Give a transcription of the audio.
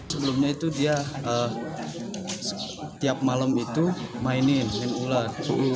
sebelumnya itu dia tiap malam itu mainin ular